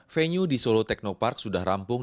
venue di solo teknopark sudah rampung